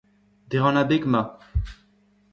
dre an abeg ma